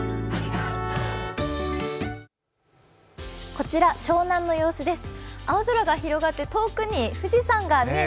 こちら、湘南の様子です。